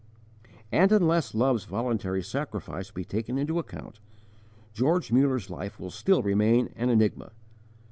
* And unless Love's voluntary sacrifice be taken into account, George Muller's life will still remain an enigma.